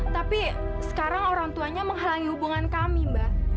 tapi sekarang orang tuanya menghalangi hubungan kami mbak